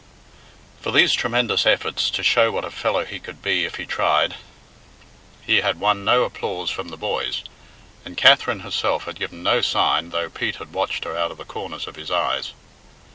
For these tremendous efforts to show what a fellow he could be if he tried, he had won no applause from the boys, and Katherine herself had given no sign, though Pete had watched her out of the corners of his eyes.